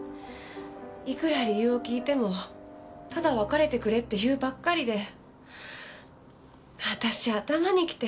いくら理由を聞いてもただ別れてくれって言うばっかりで私頭にきて。